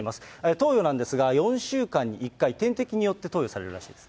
投与なんですが４週間に１回、点滴によって投与されるらしいです